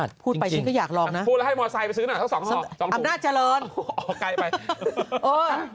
นี่มะระกอใช่ไหมเป็นชิ้นชิ้นน้อย